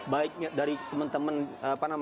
baik dari teman teman